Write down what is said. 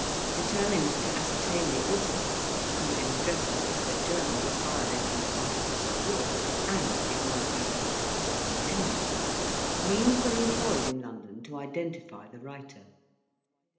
Determined to ascertain the author who, in addressing a public journal, was violating the Articles of War, and, it might be, assisting the enemy means were employed in London to identify the writer.